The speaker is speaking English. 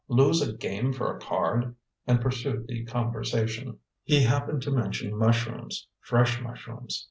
lose a game for a card!" and pursue the conversation. He happened to mention mushrooms fresh mushrooms.